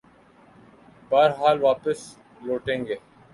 بہرحال واپس لوٹیں گے۔